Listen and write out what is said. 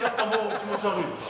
気持ち悪いんですか？